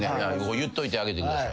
言っといてあげてください。